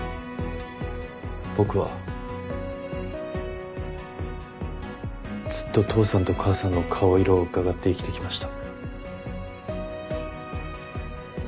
僕はずっと父さんと母さんの顔色をうかがって生きてきました。